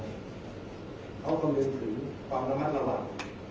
เขากำลังถึงความระนับระหว่าง